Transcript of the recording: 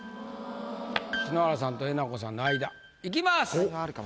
篠原さんとえなこさんの間。いきます。